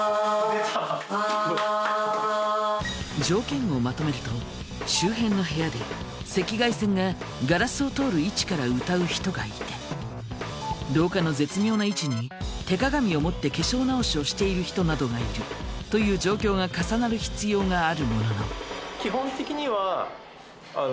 条件をまとめると周辺の部屋で赤外線がガラスを通る位置から歌う人がいて廊下の絶妙な位置に手鏡を持って化粧直しをしている人などがいるという状況が重なる必要があるものの。